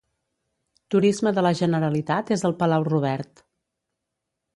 Turisme de la Generalitat és al Palau Robert.